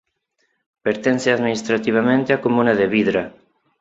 Pertence administrativamente á comuna de Vidra.